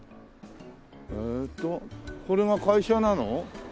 えーっとこれが会社なの？